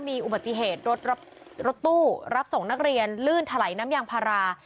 มีอุบัติเหตุรถตู้รับส่งนักเรียนลื่นถลายน้ำยางพารา